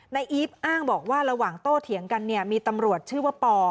อีฟอ้างบอกว่าระหว่างโต้เถียงกันเนี่ยมีตำรวจชื่อว่าปอ